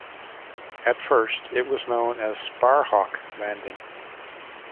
At first it was known as Sparhawk Landing.